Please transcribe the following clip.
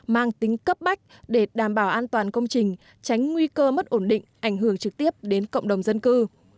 mang tính cấp bách để đảm bảo an toàn công trình tránh nguy cơ mất ổn định ảnh hưởng trực tiếp đến cộng đồng dân cư